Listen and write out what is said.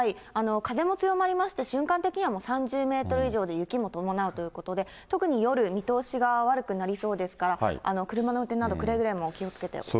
風も強まりまして、瞬間的にはもう３０メートル以上で、雪も伴うということで、特に夜、見通しが悪くなりそうですから、車の運転など、くれぐれも気をつけてください。